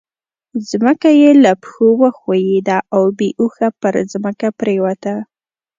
ځمکه يې له پښو وښوېده او بې هوښه پر ځمکه پرېوته.